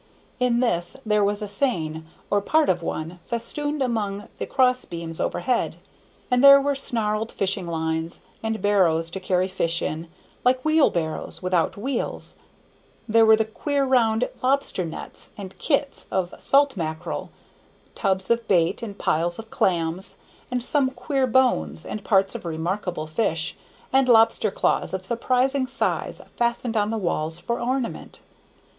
In this there was a seine, or part of one, festooned among the cross beams overhead, and there were snarled fishing lines, and barrows to carry fish in, like wheelbarrows without wheels; there were the queer round lobster nets, and "kits" of salt mackerel, tubs of bait, and piles of clams; and some queer bones, and parts of remarkable fish, and lobster claws of surprising size fastened on the walls for ornament.